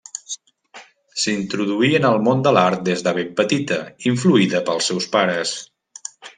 S’introduí en el món de l’art des de ben petita influïda pels seus pares.